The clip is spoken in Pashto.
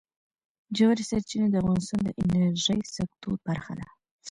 ژورې سرچینې د افغانستان د انرژۍ سکتور برخه ده.